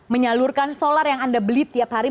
menyalurkan solar yang anda beli tiap hari